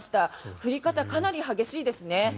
降り方、かなり激しいですね。